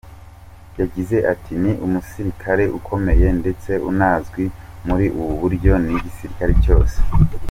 Yagize ati” Ni umusirikare ukomeye ndetse unazwi muri ubu buryo n’igisirikare cyose.